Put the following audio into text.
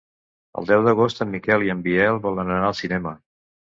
El deu d'agost en Miquel i en Biel volen anar al cinema.